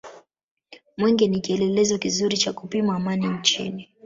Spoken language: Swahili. mwenge ni kielelezo kizuri cha kupima amani nchini